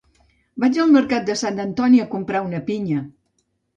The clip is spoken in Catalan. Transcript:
vaig al mercat de Sant Antoni a comprar una pinya